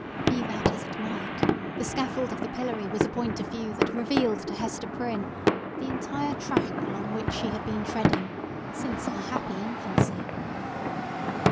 Be that as it might, the scaffold of the pillory was a point of view that revealed to Hester Prynne the entire track along which she had been treading, since her happy infancy.